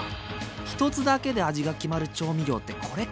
１つだけで味が決まる調味料ってこれか！